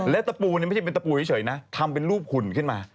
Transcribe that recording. และตะปูนี่ไม่ใช่เป็นตะปูเฉยนะทำเป็นรูปหุ่นขึ้นมา